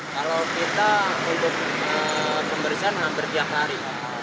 kalau kita untuk pembersihan hampir tiap hari